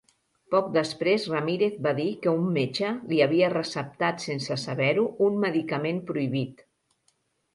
Poc després, Ramirez va dir que un metge li havia receptat sense saber-ho un medicament prohibit.